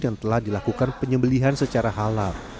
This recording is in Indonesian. yang telah dilakukan penyembelihan secara halal